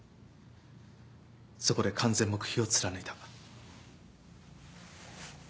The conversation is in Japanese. そこで完全黙秘を貫いた。